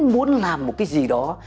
muốn làm một cái gì đó